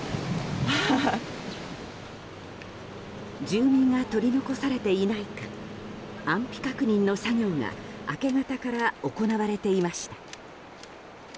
住民が取り残されていないか安否確認の作業が明け方から行われていました。